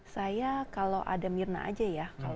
saya kalau ada mirna aja ya